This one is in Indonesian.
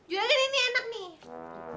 juragan ini enak nih